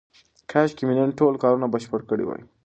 کاشکې مې نن ټول کارونه بشپړ کړي وای.